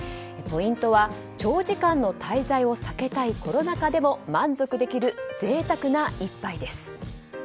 ポイントは長時間の滞在を避けたいコロナ禍でも満足できる贅沢な１杯です。